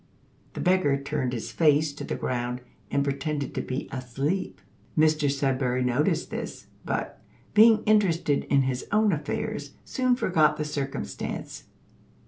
The beggar turned his face to the ground, and pretended to be asleep. Mr Sudberry noticed this; but, being interested in his own affairs, soon forgot the circumstance.